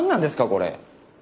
これ。